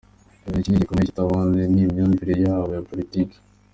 Ikintu kinini gikomeye kibatandukanyije ni imyumvire yabo ya politiki.